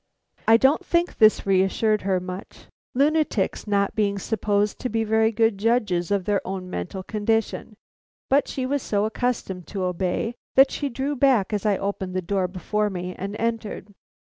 I don't think this reassured her much, lunatics not being supposed to be very good judges of their own mental condition, but she was so accustomed to obey, that she drew back as I opened the door before me and entered.